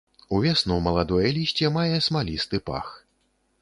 Увесну маладое лісце мае смалісты пах.